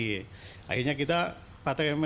jadi akhirnya kita patahin metode